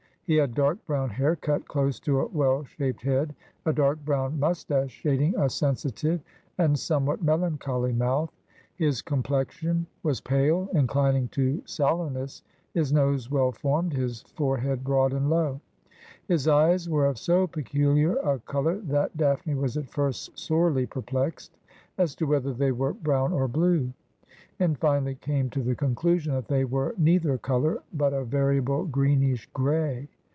He had dark brown hair cut close to a well shaped head, a dark brown moustache shading a sensitive and somewhat melancholy mouth. His complexion was pale, inclining to sallowness, his nose well formed, his fore head broad and low. His eyes were of so peculiar a colour that Daphne was at first sorely perplexed as to whether they were brown or blue, and finally came to the conclusion that they were neither colour, but a variable greenish gray.